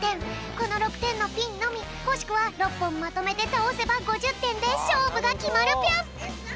この６てんのピンのみもしくは６ぽんまとめてたおせば５０てんでしょうぶがきまるぴょん！